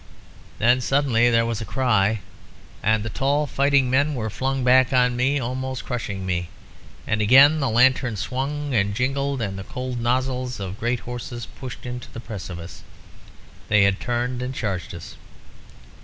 Then suddenly there was a cry, and the tall fighting men were flung back on me, almost crushing me, and again the lanterns swung and jingled, and the cold nozzles of great horses pushed into the press of us. They had turned and charged us.